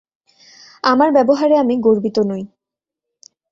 আমার ব্যবহারে আমি গর্বিত নই।